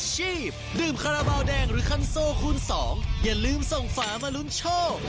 หรือคันโซคูณสองอย่าลืมส่งฝามารุนโชค